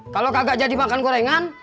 kalau kagak jadi makan gorengan